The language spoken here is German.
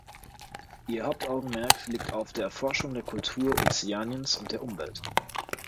Ihr Hauptaugenmerk liegt auf der Erforschung der Kultur Ozeaniens und der Umwelt.